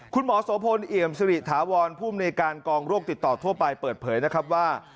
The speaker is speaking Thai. คุณหมอโสโพนเอียมสิริถาวรผู้อำนวยการกองโรคติดต่อทั่วไปเปิดเผยนะครับว่า